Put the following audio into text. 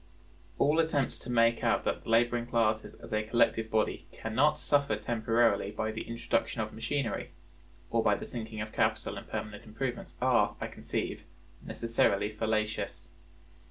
All attempts to make out that the laboring classes as a collective body can not suffer temporarily by the introduction of machinery, or by the sinking of capital in permanent improvements, are, I conceive, necessarily fallacious.